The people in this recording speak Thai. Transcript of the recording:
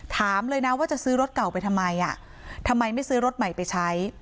ถามเลยนะว่าจะซื้อรถเก่าไปทำไมอ่ะทำไมทำไมไม่ซื้อรถใหม่ไปใช้